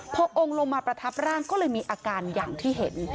พอองค์ลงมาประทับร่างก็เลยมีอาการอย่างที่เห็น